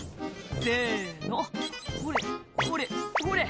「せのほれほれほれ」